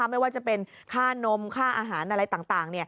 ไม่ว่าจะเป็นค่านมค่าอาหารอะไรต่าง